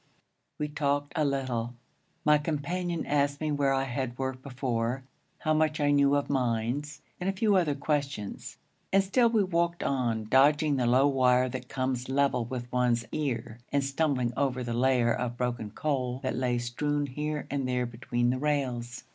We talked a little. My companion asked me where I had worked before, how much I knew of mines, and a few other questions; and still we walked on, dodging the low wire that comes level with one's ear, and stumbling over the layer of broken coal that lay strewn here and there between the rails.